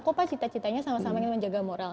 kok pak cita citanya sama sama ingin menjaga moral